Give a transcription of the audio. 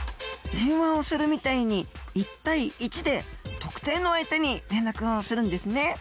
電話をするみたいに１対１で特定の相手に連絡をするんですね。